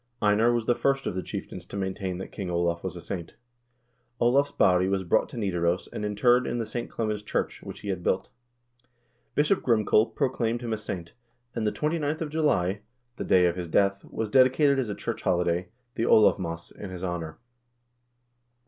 Einar was the first of the chieftains to maintain that King Olav was a saint." 1 Olav's body was brought to Xidaros and interred in the St. Clemens church, which he had built. Bishop Grimkel proclaimed him a saint, and the 29th of July, the day of his death, was dedicated as a church holiday, the Olavmas, in his honor.